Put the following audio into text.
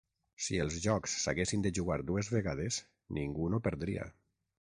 Si els jocs s'haguessin de jugar dues vegades, ningú no perdria.